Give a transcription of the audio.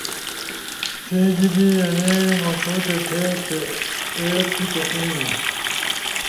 سی جیبے اینے موݜوتتے تھے تے آے توتے اینا۔